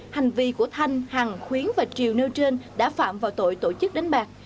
hành vi của thanh hằng khuyến và triều nêu trên đã phạm vào tội tổ chức đánh bạc